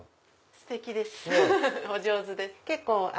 ステキですお上手です。